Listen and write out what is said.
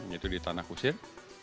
yaitu di tanah kusir